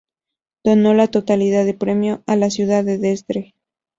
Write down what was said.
Donó la totalidad del premio a la ciudad de Dresde.